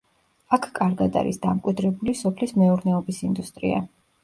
აქ კარგად არის დამკვიდრებული სოფლის მეურნეობის ინდუსტრია.